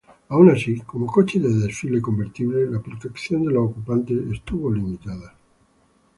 Aun así, como coche de desfile convertible, la protección de los ocupantes estuvo limitada.